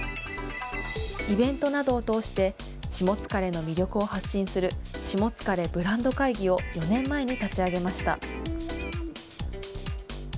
イベントなどを通して、しもつかれの魅力を発信する、しもつかれブランド会議を４年前に立ち上げました。